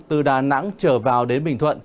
từ đà nẵng trở vào đến bình thuận